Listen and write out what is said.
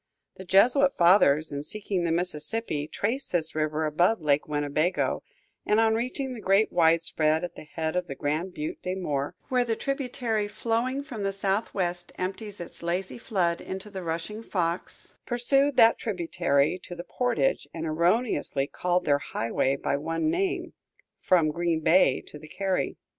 The Jesuit fathers, in seeking the Mississippi, traced this river above Lake Winnebago, and on reaching the great widespread at the head of the Grand Butte des Morts, where the tributary flowing from the southwest empties its lazy flood into the rushing Fox, pursued that tributary to the portage and erroneously called their highway by one name, from Green Bay to the carry.